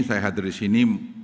saya hadir disini